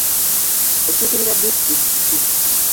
Okiikirira disitulikiti ki?